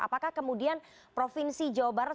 apakah kemudian provinsi jawa barat